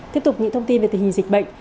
tiếp tục những thông tin về tình hình dịch bệnh